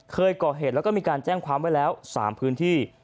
เคยก่อเหตุแล้วก็มีการแจ้งความไว้แล้ว๓พื้นที่